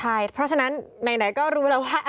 เพราะฉะนั้นไหนก็รู้แล้วว่า